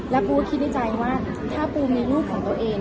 และกูคิดในใจว่าถ้าปูมีรูปของตัวเอง